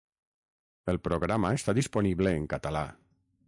El programa està disponible en català.